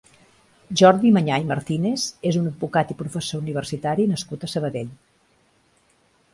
Jordi Manyà i Martínez és un advocat i professor universitari nascut a Sabadell.